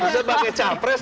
bisa pakai capres